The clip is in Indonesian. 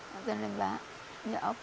kalau tidak ya apa